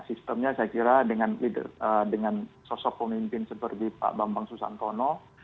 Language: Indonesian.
sistemnya saya kira dengan sosok pemimpin seperti pak bambang susantono